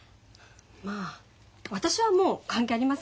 まあ私はもう関係ありませんけど。